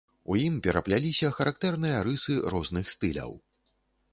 У ім перапляліся характэрныя рысы розных стыляў.